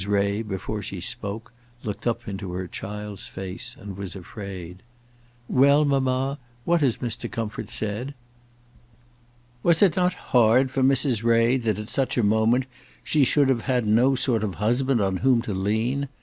Ray, before she spoke, looked up into her child's face, and was afraid. "Well, mamma, what has Mr. Comfort said?" Was it not hard for Mrs. Ray that at such a moment she should have had no sort of husband on whom to lean?